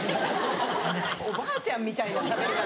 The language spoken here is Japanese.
おばあちゃんみたいなしゃべり方。